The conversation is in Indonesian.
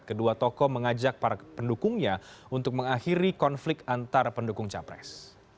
kedua tokoh mengajak para pendukungnya untuk mengakhiri konflik antar pendukung capres